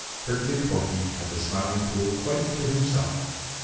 Prickly Porky had the Smiling Pool quite to himself.